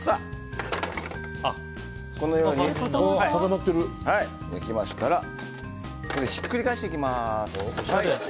このように焼きましたらひっくり返してきます。